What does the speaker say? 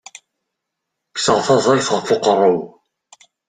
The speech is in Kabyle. Kkseɣ taẓayt ɣef uqerru-w.